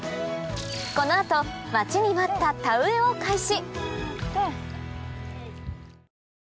この後待ちに待った田植えを開始！